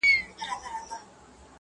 د بل غم تر واوري سوړ دئ.